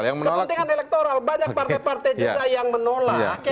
kepentingan elektoral banyak partai partai juga yang menolak